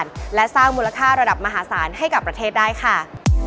และสร้างมูลค่าระดับมหาศาลให้กับประเทศได้ค่ะ